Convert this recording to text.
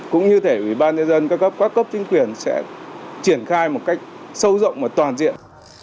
cũng như thể bà nữ dân các cấp chính quyền sẽ triển khai một cách sâu rộng và toàn diện